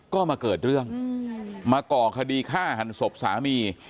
ก็มาเกิดเรื่องมาก่อคดีฆ่าหันศพสามี